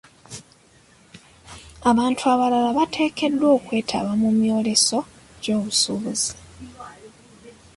Abantu abalala bateekeddwa okwetaba mu myoleso gy'obusuubuzi.